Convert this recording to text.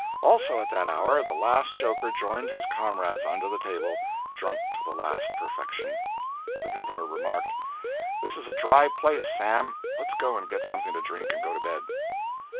Also, at that hour the last joker joined his comrades under the table, drunk to the last perfection. The Governor remarked, "This is a dry place, Sam, let's go and get something to drink and go to bed."